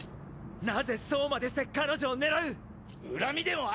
なぜそうまでして彼女を狙う⁉恨みでもあんのか